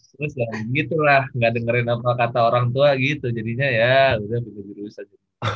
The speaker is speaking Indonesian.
terus lah gitu lah gak dengerin apa kata orang tua gitu jadinya ya udah berurusan